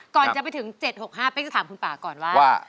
ก่อนจะไปถึง๗๖๕เป๊กจะถามคุณป่าก่อนว่า